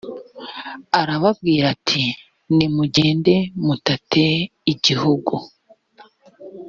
arababwira ati “nimugende mutate igihugu”